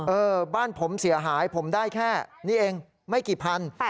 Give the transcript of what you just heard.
เออบ้านผมเสียหายผมได้แค่นี้เองไม่กี่พัน